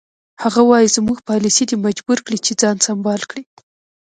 هغه وایي زموږ پالیسي دی مجبور کړی چې ځان سمبال کړي.